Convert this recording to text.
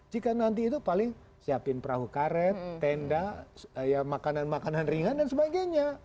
jika nanti itu paling siapin perahu karet tenda makanan makanan ringan dan sebagainya